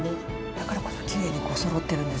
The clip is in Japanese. だからこそきれいにこうそろってるんですよね！